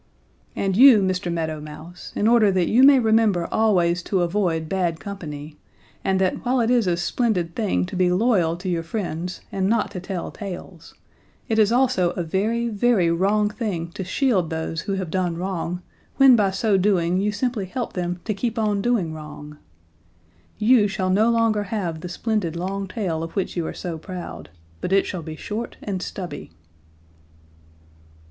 "'And you, Mr. Meadow Mouse, in order that you may remember always to avoid bad company, and that while it is a splendid thing to be loyal to your friends and not to tell tales, it is also a very, very wrong thing to shield those who have done wrong when by so doing you simply help them to keep on doing wrong you shall no longer have the splendid long tail of which you are so proud, but it shall be short and stubby.'